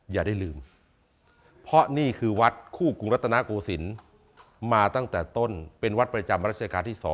อย่าได้ลืมเพราะนี่คือวัดคู่กรุงรัฐนาโกศิลป์มาตั้งแต่ต้นเป็นวัดประจำรัชกาลที่๒